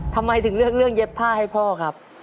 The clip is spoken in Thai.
ทำไมถึงเลือกเรื่องเย็บผ้าให้พ่อครับ